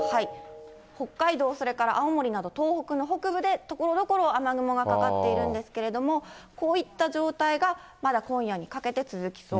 北海道、それから青森など、東北の北部でところどころ雨雲がかかっているわけですけれども、こういった状態がまだ今夜にかけて続きそう。